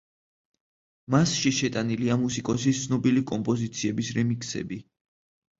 მასში შეტანილია მუსიკოსის ცნობილი კომპოზიციების რემიქსები.